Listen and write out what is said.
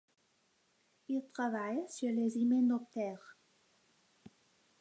Il travaille sur les hyménoptères.